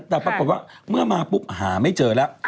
แต่ปรากฏว่าเมื่อมาปุ๊บหาไม่เจอแล้ว